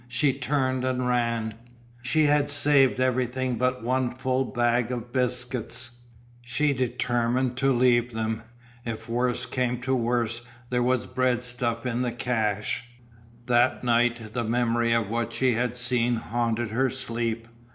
She turned and ran. She had saved everything but one full bag of biscuits; she determined to leave them. If worst came to the worst there was bread stuff in the cache. That night the memory of what she had seen haunted her sleep.